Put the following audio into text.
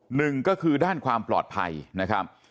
หนึ่งก็คือด้านความปลอดภัยนะครับ